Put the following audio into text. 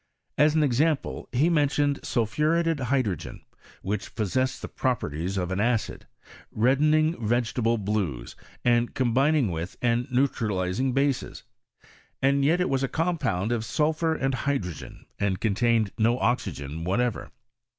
As an example, he mentioned sulphuretted hydrogen, which possessed the properties of an acid, redden ing vegetable blues, and combining with and neu tralizing bases, and yet, it was a compound of snlphur and hydrogen, and contained no oxygen whatever.